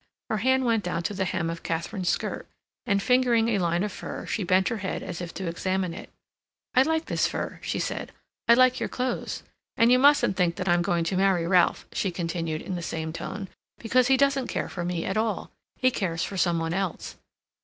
Her hand went down to the hem of Katharine's skirt, and, fingering a line of fur, she bent her head as if to examine it. "I like this fur," she said, "I like your clothes. And you mustn't think that I'm going to marry Ralph," she continued, in the same tone, "because he doesn't care for me at all. He cares for some one else."